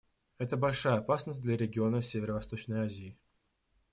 Это большая опасность для региона Северо-Восточной Азии.